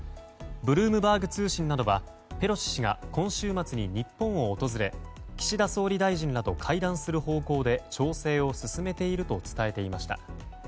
ブルームバーグ通信などはペロシ氏が今週末に日本を訪れ岸田総理大臣などと会談する方向で調整を進めていると伝えていました。